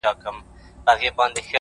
هم داسي ستا دا گل ورين مخ-